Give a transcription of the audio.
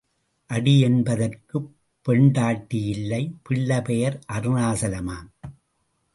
அடி என்பதற்குப் பெண்டாட்டி இல்லை பிள்ளை பெயர் அருணாசலமாம்.